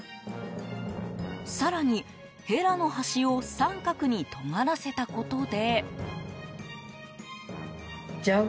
更に、ヘラの端を三角にとがらせたことで。